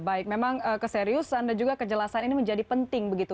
baik memang keseriusan dan juga kejelasan ini menjadi penting begitu